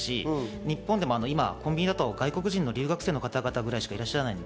日本でも今コンビニだと外国人の留学生の方々ぐらいしかいらっしゃらない。